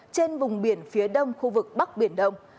trên vùng biển phía đông khu vực bắc biển đông